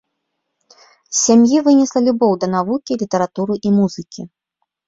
З сям'і вынесла любоў да навукі, літаратуры і музыкі.